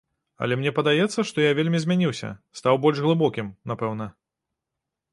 Але мне падаецца, што я вельмі змяніўся, стаў больш глыбокім, напэўна.